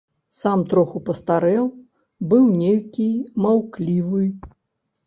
Сам троху пастарэў, быў нейкі маўклівы.